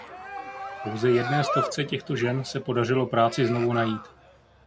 Pouze jedné stovce těchto žen se podařilo práci znovu najít.